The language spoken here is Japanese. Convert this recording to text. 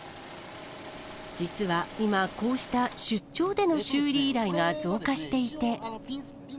実は今、こうした出張での修理依頼が増加していて。